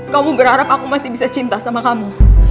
kamu berharap aku masih bisa cinta sama kamu